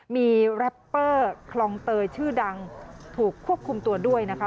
มีแรปเปอร์คลองเตยชื่อดังถูกควบคุมตัวด้วยนะคะ